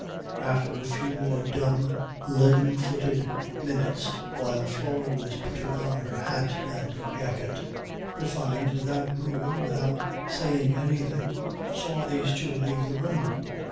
After a few more dumb, leaden footed minutes while Flora was putting on her hat and jacket, the Fynes without moving, without saying anything, saw these two leave the room.